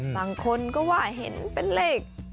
บางคนก็ว่าเห็นเป็นเลข